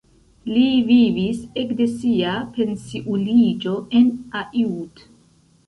Li vivis ekde sia pensiuliĝo en Aiud.